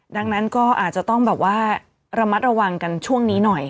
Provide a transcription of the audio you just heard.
ดังนั้นก็อาจจะต้องแบบว่าระมัดระวังกันช่วงนี้หน่อย